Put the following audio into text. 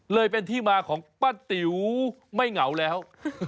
เลยเป็นที่มาของป้าติ๋วไม่เหงาแล้ว